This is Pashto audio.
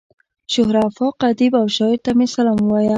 شهره آفاق ادیب او شاعر ته مې سلام ووايه.